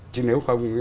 chứ nếu không thì